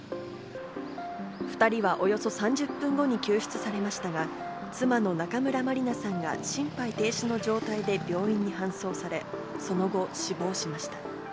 ２人はおよそ３０分後に救出されましたが、妻の中村まりなさんが心肺停止の状態で病院に搬送され、その後死亡しました。